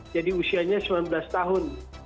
jadi usianya sembilan belas tahun